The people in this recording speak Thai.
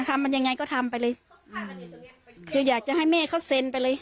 ทำมันยังไงก็ทำไปเลยคืออยากจะให้แม่เขาเซ็นไปเลย